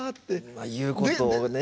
まあ言うことをね